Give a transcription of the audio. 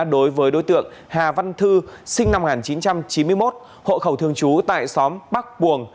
đối với đối tượng hà văn thư sinh năm một nghìn chín trăm chín mươi một hộ khẩu thường trú tại xóm bắc buồng